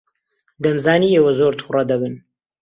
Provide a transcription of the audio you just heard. دەمزانی ئێوە زۆر تووڕە دەبن.